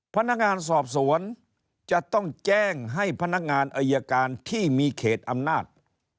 พนักงานสอบสวนจะต้องแจ้งให้พนักงานอายการที่มีเขตอำนาจ